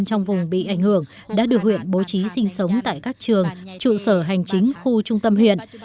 trong vùng bị ảnh hưởng đã được huyện bố trí sinh sống tại các trường trụ sở hành chính khu trung tâm huyện